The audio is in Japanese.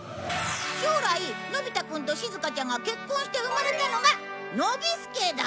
将来のび太くんとしずかちゃんが結婚して生まれたのがノビスケだ。